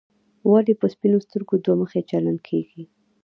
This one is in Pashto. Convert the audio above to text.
ولې په سپینو سترګو دوه مخي چلن کېږي.